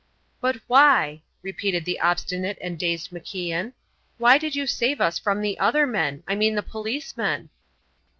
"But why?" repeated the obstinate and dazed MacIan, "why did you save us from the other men? I mean the policemen?"